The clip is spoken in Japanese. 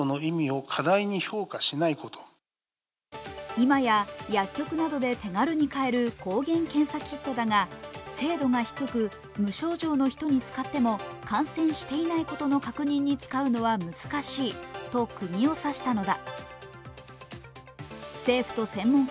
今や、薬局などで手軽に買える抗原検査キットだが精度が低く無症状の人に使っても感染していないことの確認に使うのは難しいとくぎを刺したのだ。